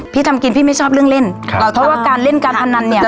ทำกินพี่ไม่ชอบเรื่องเล่นครับเราเพราะว่าการเล่นการพนันเนี่ย